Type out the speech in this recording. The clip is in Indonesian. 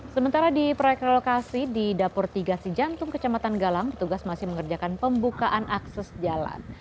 sementara di proyek relokasi di dapur tiga si jantung kecamatan galang petugas masih mengerjakan pembukaan akses jalan